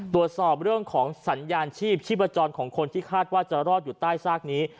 ตรวจสอบเรื่องของสัญญาณชีพชีพจรของคนที่คาดว่าจะรอดอยู่ใต้ซากนี้